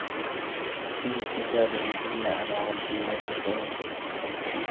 إِن حِسابُهُم إِلّا عَلى رَبّي لَو تَشعُرونَ